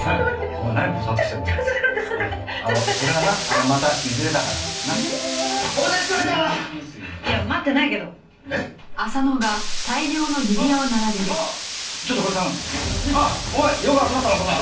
お前よく集まったなこんな。